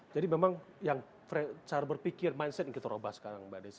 jadi memang yang cara berpikir mindset yang kita robah sekarang mbak desya